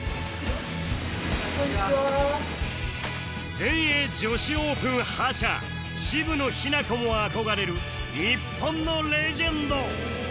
全英女子オープン覇者渋野日向子も憧れる日本のレジェンド！